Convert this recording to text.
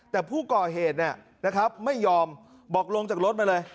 แต่ผู้ก่อเหตุนะครับไม่ยอมบอกลงจากรถมาเลย